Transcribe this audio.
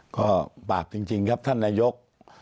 ก็ปราบจริงท่องพระนายก